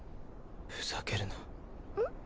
ふざけるなうん？